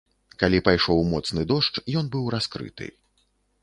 Калі пайшоў моцны дождж, ён быў раскрыты.